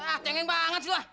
ah tengeng banget sih gue